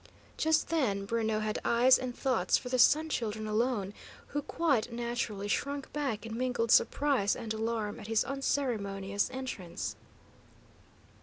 Just then Bruno had eyes and thoughts for the Sun Children alone, who quite naturally shrunk back in mingled surprise and alarm at his unceremonious entrance.